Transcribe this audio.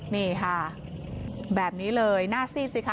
นี่ค่ะแบบนี้เลยหน้าซีดสิคะ